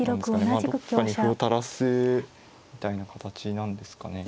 まあどこかに歩を垂らすみたいな形なんですかね。